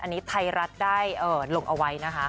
อันนี้ไทยรัฐได้ลงเอาไว้นะคะ